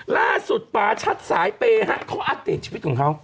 ล่าสุดป่าชัดสายเปย์ฮะเขาอัดเตรียมชีวิตของเขา